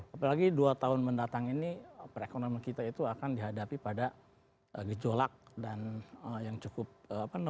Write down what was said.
apalagi dua tahun mendatang ini perekonomian kita itu akan dihadapi pada gejolak dan yang cukup apa namanya